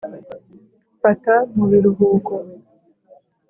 mfata mu biruhuko.